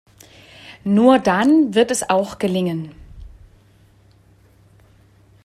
Nur dann wird es auch gelingen.